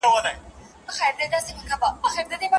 اوس خلک باید بې پروا پاته نسي.